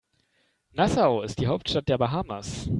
Nassau ist die Hauptstadt der Bahamas.